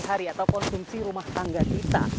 hari atau konsumsi rumah tangga kita